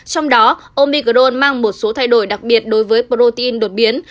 trong đó omicron mang một số thay đổi đặc biệt đối với protein đột biến